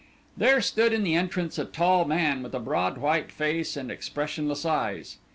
There stood in the entrance a tall man, with a broad white face and expressionless eyes.